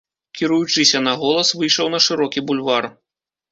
Кіруючыся на голас, выйшаў на шырокі бульвар.